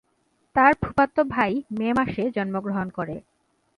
তার ফুফাতো ভাই মে মাসে জন্মগ্রহণ করে।